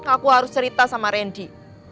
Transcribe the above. aku harus cerita sama randy